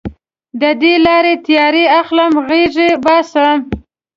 د دې لارې تیارې اخلم اغزې باسم